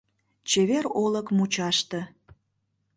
Чевер олык мучаште.